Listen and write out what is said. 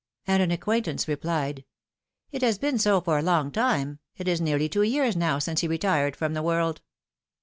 And an acquaintance replied : ^'It has been so for a long time; it is nearly two years now since he retired from the world."